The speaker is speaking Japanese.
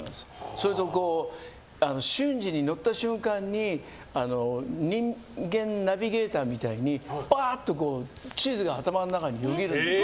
それと瞬時に乗った瞬間に人間ナビゲーターみたいにパーッと地図が頭の中によぎるの。